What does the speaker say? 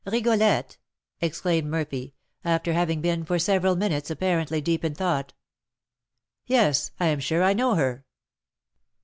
"Rigolette!" exclaimed Murphy, after having been for several minutes apparently in deep thought. "Yes, I am sure I know her."